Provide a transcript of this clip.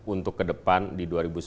untuk ke depan di dua ribu sembilan belas